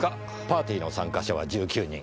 パーティーの参加者は１９人。